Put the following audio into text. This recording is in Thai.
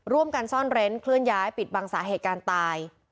ร่วมกันซ่อนเร้นเคลื่อนย้ายปิดบังสาเหตุการณ์ตาย